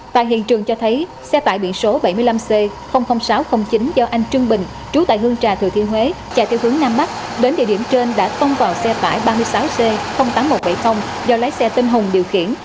tại hiện trường cho thấy xe tải biển số bảy mươi năm c sáu trăm linh chín do anh trương bình trú tại hương trà thừa thiên huế chạy theo hướng nam bắc đến địa điểm trên đã tông vào xe tải ba mươi sáu c tám nghìn một trăm bảy mươi do lái xe tinh hồng điều khiển